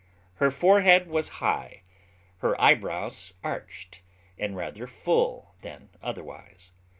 Her forehead was high, her eyebrows arched, and rather full than otherwise.